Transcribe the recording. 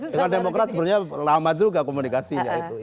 dengan demokrat sebenarnya lama juga komunikasinya itu